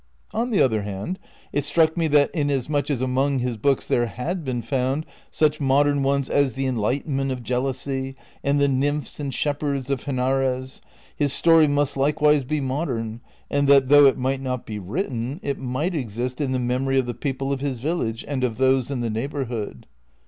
On the other hand, it struck me that, inasmuch as among his books there had been found such modern ones as " The En lightenment of Jealousy " and " The Nymphs and Shepherds of Henares," his story must likewise be modern, and that though it might not be written, it might exist in the memory of the people of his village and of those in the neighborhood.